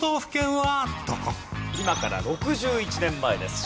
今から６１年前です。